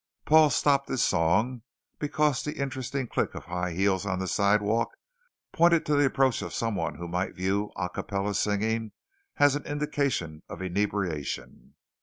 _" Paul stopped his song because the interesting click of high heels on the sidewalk pointed to the approach of someone who might view a cappella singing as an indication of inebriation.